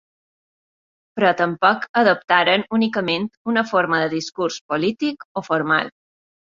Però tampoc adoptaren únicament una forma de discurs polític o formal.